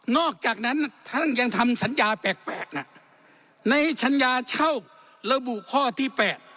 นอกจากนั้นท่านยังทำสัญญาแปลกในสัญญาเช่าและบูค่อที่๘